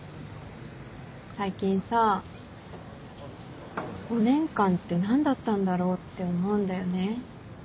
最近さ５年間って何だったんだろうって思うんだよね。